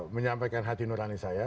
menyampaikan hati nurani saya